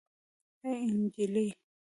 اي نجلۍ